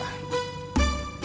apa yang kamu tahu